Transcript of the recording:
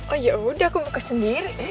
oh yaudah aku buka sendiri